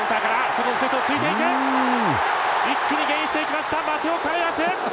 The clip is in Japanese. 一気にゲインしていきましたマテオ・カレラス。